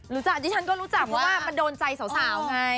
ดิฉันก็รู้จักเพราะว่ามันโดนใจสาวไง